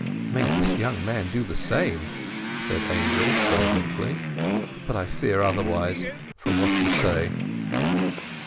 "May this young man do the same!" said Angel fervently. "But I fear otherwise, from what you say."